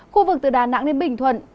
khu vực từ đà nẵng đến bình thuận